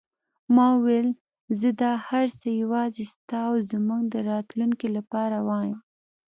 ما وویل: زه دا هر څه یوازې ستا او زموږ د راتلونکې لپاره وایم.